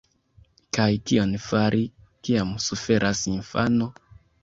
Kaj kion fari, kiam suferas infano?